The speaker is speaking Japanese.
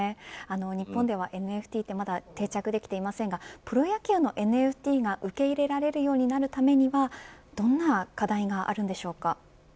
日本ではＮＦＴはまだ定着できていませんがプロ野球のＮＦＴが受け入れられるようになるためにはどのような課題があるのでしょうか。